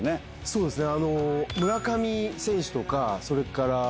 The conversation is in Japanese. そうですね。